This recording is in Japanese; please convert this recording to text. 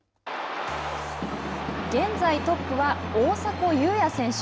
現在トップは大迫勇也選手。